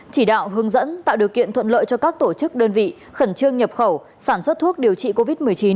chỉ đạo hướng dẫn tạo điều kiện thuận lợi cho các tổ chức đơn vị khẩn trương nhập khẩu sản xuất thuốc điều trị covid một mươi chín